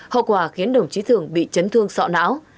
hậu quả khiến đồng chí thường bị chấn thương sọ não